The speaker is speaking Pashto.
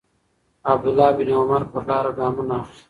عبدالله بن عمر پر لاره ګامونه اخلي.